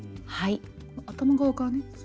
頭側からね。